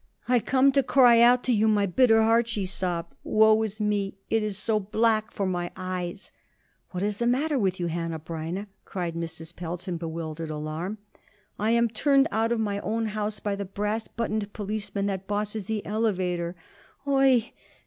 "I come to cry out to you my bitter heart," she sobbed. "Woe is me! It is so black for my eyes!" "What is the matter with you, Hanneh Breineh?" cried Mrs. Pelz in bewildered alarm. "I am turned out of my own house by the brass buttoned policeman that bosses the elevator. _Oi i i i!